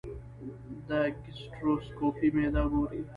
د ګیسټروسکوپي معده ګوري.